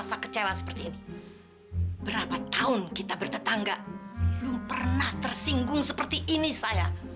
sampai jumpa di video selanjutnya